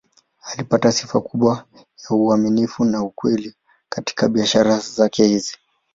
Alipata sifa kubwa ya uaminifu na ukweli katika biashara zake hizi.